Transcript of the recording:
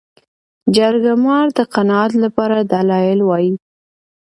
جرګه مار د قناعت لپاره دلایل وايي